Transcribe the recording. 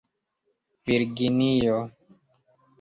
virginio